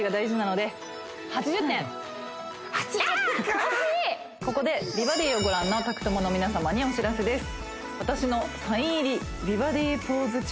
惜しいここで「美バディ」をご覧の宅トモの皆様にお知らせです